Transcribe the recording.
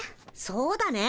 そうだね。